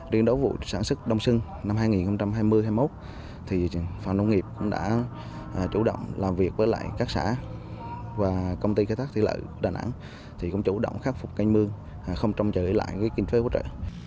điều đó vụ sản xuất đông sưng năm hai nghìn hai mươi hai nghìn hai mươi một thì phòng nông nghiệp cũng đã chủ động làm việc với lại các xã và công ty khai thác thị lợi đà nẵng thì cũng chủ động khắc phục canh mương không trông chờ lấy lại kinh phí hỗ trợ